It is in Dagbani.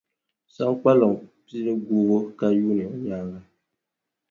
Saŋkpaliŋ pili guubu ka yuuni o nyaaŋa.